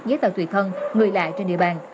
với tàu tùy thân người lại trên địa bàn